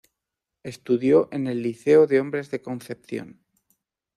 Estudió en el Liceo de Hombres de Concepción.